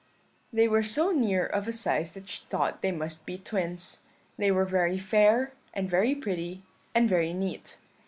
"They were so near of a size that she thought they must be twins. They were very fair, and very pretty, and very neat.